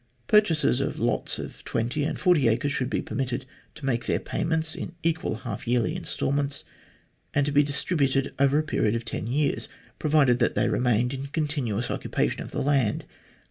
Purchasers of lots of 20 and of 40 acres should be permitted to make their payments in equal half yearly instalments, to be distributed over a period of ten years, provided that they remained in continuous occupation of the land.